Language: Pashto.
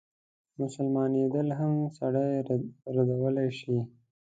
مسلمانېدل هم سړی ردولای شي.